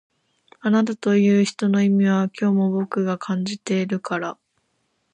あなたという人の意味は今日も僕が感じてるから